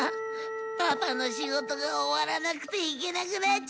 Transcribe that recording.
パパの仕事が終わらなくて行けなくなっちゃったんだ！